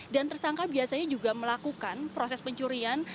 dan tersangka biasanya juga melakukan proses pencurian